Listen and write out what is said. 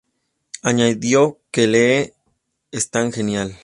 Añadió que Lee "es tan genial.